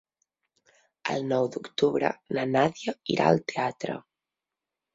El nou d'octubre na Nàdia irà al teatre.